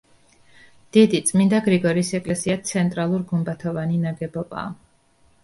დიდი, წმინდა გრიგორის ეკლესია ცენტრალურგუმბათოვანი ნაგებობაა.